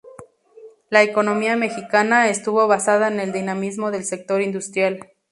La economía mexicana estuvo basada en el dinamismo del sector industrial.